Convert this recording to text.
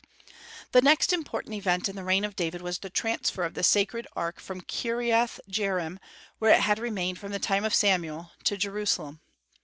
The next important event in the reign of David was the transfer of the sacred ark from Kirjath jearim, where it had remained from the time of Samuel, to Jerusalem.